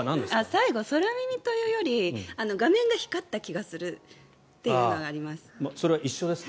最後、空耳というより画面が光った気がするというのがあります。